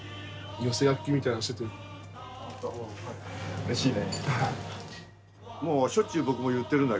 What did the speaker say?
寄せ書きみたいなしててほんと、うれしいね。